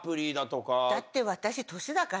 だって私年だから。